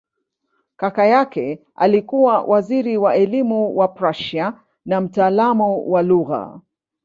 Kaka yake alikuwa waziri wa elimu wa Prussia na mtaalamu wa lugha.